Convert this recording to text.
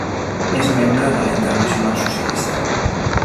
És membre de la Internacional Socialista.